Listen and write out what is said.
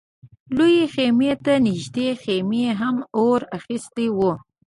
لويې خيمې ته نږدې خيمو هم اور اخيستی و.